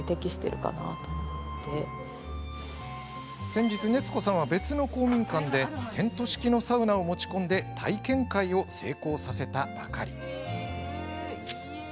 先日、熱子さんは別の公民館でテント式のサウナを持ち込んで体験会を成功させたばかり。